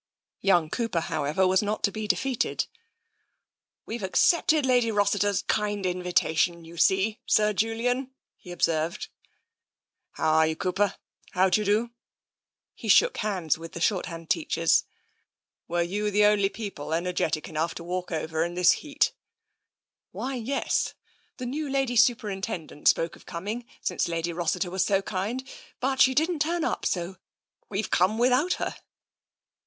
Young Cooper, however, was not to be defeated. " We've accepted Lady Rossiter's kind invitation, you see. Sir Julian," he observed. TENSION 37 "How are you, Cooper? How d'y^e do?" He shook hands with the shorthand teachers. " Were you the only people energetic enough to walk over in this heat?" " Why, yes. The new Lady Superintendent spoke of coming since Lady Rossiter was so kind, but she didn't turn up, so we've come without her.''